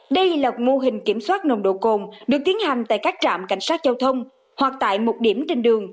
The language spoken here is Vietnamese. đây là mô hình kiểm soát nồng độ cồn được tiến hành tại các trạm cảnh sát giao thông hoặc tại một điểm trên đường